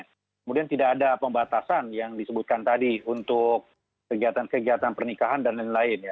kemudian tidak ada pembatasan yang disebutkan tadi untuk kegiatan kegiatan pernikahan dan lain lain ya